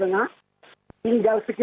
dari keterangan pak jokowi